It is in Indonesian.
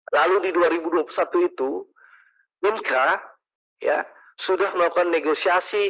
lalu di dua ribu dua puluh satu itu inka sudah melakukan negosiasi